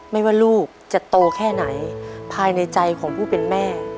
ไม่ว่าลูกจะโตแค่ไหนภายในใจของผู้เป็นแม่